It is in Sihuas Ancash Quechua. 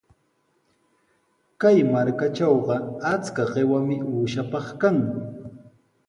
Kay markatrawqa achka qiwami uushapaq kan.